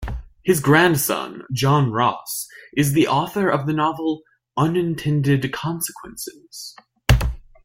His grandson, John Ross is the author of the novel "Unintended Consequences".